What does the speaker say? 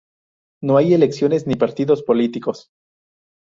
No hay elecciones ni partidos políticos.